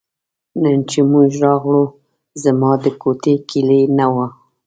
نن چې موږ راغلو زما د کوټې کیلي نه وه.